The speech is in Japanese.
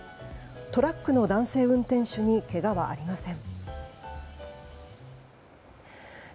トラックの男性運転手にけがはありません。